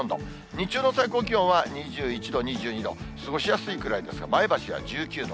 日中の最高気温は２１度、２２度、過ごしやすいくらいですが、前橋が１９度。